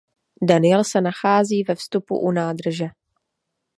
Daniel se nachází ve vstupu u nádrže.